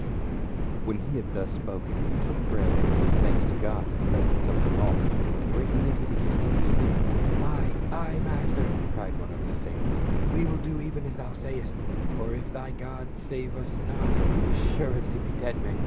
436 PAUL. When he had thus spoken he took bread, and gave thanks to God in presence of them all : and break ing it, he began to eat. "Ay, ay, master," cried one of the sailors, "we will do even as thou sayest ; for if thy God save us not we be assuredly dead men."